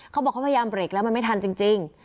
เขาบอกเขาพยายามเบรกแล้วมันไม่ทันจริง